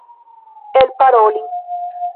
elparoli